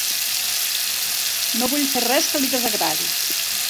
No vull fer res que li desagradi.